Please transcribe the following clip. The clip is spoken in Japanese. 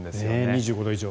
２５度以上。